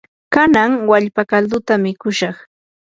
kanan wallpa kalduta mikushaq.